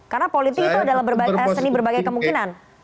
karena politik itu adalah berbagai kemungkinan